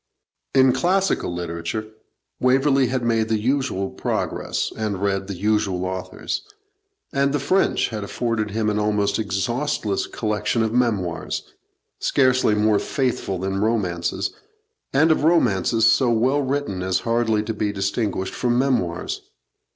In classical literature, Waverley had made the usual progress, and read the usual authors; and the French had afforded him an almost exhaustless collection of memoirs, scarcely more faithful than romances, and of romances so well written as hardly to be distinguished from memoirs.